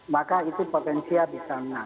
maka itu potensial bisa menang